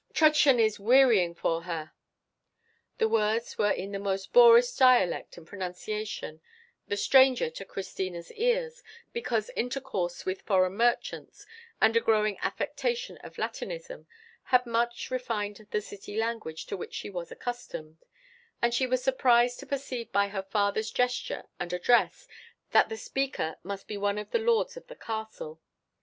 Trudchen is wearying for her." The words were in the most boorish dialect and pronunciation, the stranger to Christina's ears, because intercourse with foreign merchants, and a growing affectation of Latinism, had much refined the city language to which she was accustomed; and she was surprised to perceive by her father's gesture and address that the speaker must be one of the lords of the castle.